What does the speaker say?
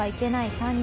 ３人。